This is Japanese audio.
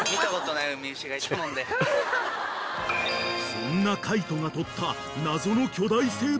［そんな海人が撮った］